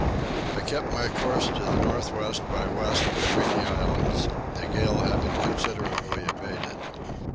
I kept my course to the north west by west between the islands, the gale having considerably abated.